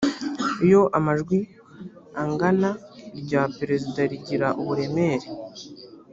iyo amajwi angana irya perezida rigira uburemere